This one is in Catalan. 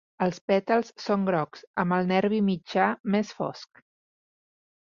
Els pètals són grocs, amb el nervi mitjà més fosc.